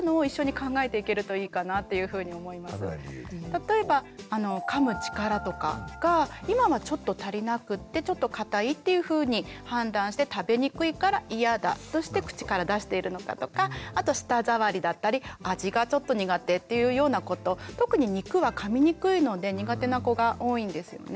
例えばかむ力とかが今はちょっと足りなくてちょっと硬いっていうふうに判断して食べにくいから嫌だとして口から出しているのかとかあと舌触りだったり味がちょっと苦手っていうようなこと特に肉はかみにくいので苦手な子が多いんですよね。